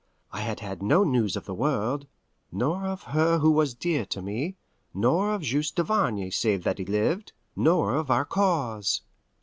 I had had no news of the world, nor of her who was dear to me, nor of Juste Duvarney save that he lived, nor of our cause.